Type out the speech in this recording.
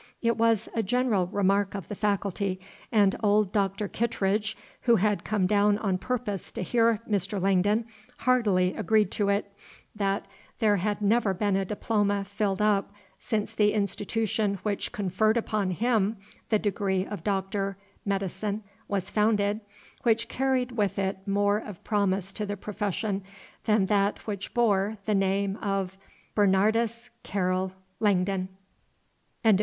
It was a general remark of the Faculty, and old Doctor Kittredge, who had come down on purpose to hear Mr. Langdon, heartily agreed to it, that there had never been a diploma filled up, since the institution which conferred upon him the degree of Doctor Medicdnce was founded, which carried with it more of promise to the profession than that which bore the name of BERNARDUS CARYL LANGDON CHAPTER XXXII.